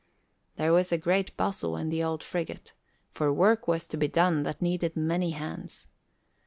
There was a great bustle in the old frigate, for work was to be done that needed many hands.